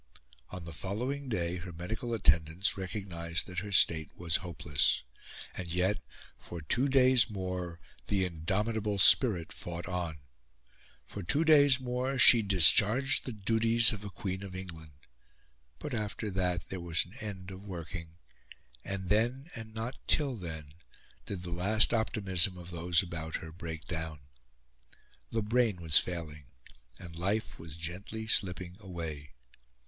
On the following day her medical attendants recognised that her state was hopeless; and yet, for two days more, the indomitable spirit fought on; for two days more she discharged the duties of a Queen of England. But after that there was an end of working; and then, and not till then, did the last optimism of those about her break down. The brain was failing, and life was gently slipping away.